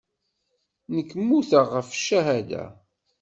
Nekk mmuteɣ ɣef ccahada.